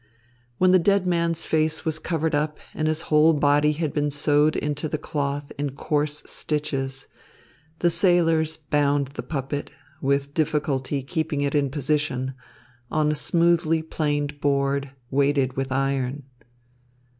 When the dead man's face was covered up and his whole body had been sewed into the cloth in coarse stitches, the sailors bound the puppet, with difficulty keeping it in position, on a smoothly planed board, weighted with iron.